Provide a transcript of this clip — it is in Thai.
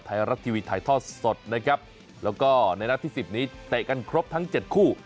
ไทยรัฐทีวีถ่ายทอดสดนะครับแล้วก็ในนัดที่สิบนี้เตะกันครบทั้งเจ็ดคู่